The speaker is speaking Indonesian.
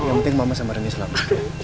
yang penting mama sama remy selamat